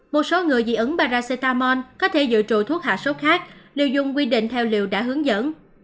một số người dị ứng paracetamol có thể dự trụ thuốc hạ sốt khác liều dùng quy định theo liều đã hướng dẫn